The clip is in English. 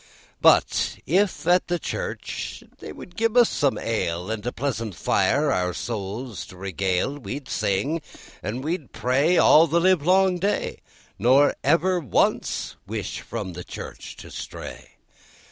But, if at the Church they would give us some ale, And a pleasant fire our souls to regale, We'd sing and we'd pray all the livelong day, Nor ever once wish from the Church to stray.